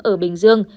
ở bình dương